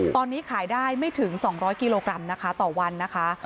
ตอนนี้ขายได้ไม่ถึง๒๐๐กิโลกรัมนะคะต่อวันนะคะ